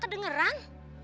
umi lu denger kan